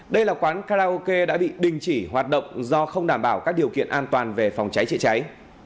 đây là quán karaoke đã bị đình chỉ hoạt động do không đảm bảo các điều kiện an toàn về phòng cháy chữa cháy